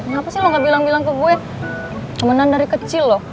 ngapasih lo gak bilang bilang ke gue temenan dari kecil lo